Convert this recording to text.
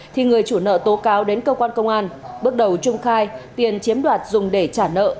thì người chủ nợ tố cáo đến cơ quan công an bước đầu trung khai tiền chiếm đoạt dùng để trả nợ